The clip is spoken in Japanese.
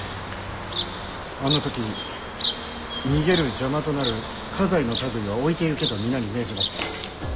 あの時「逃げる邪魔となる家財の類いは置いてゆけ」と皆に命じました。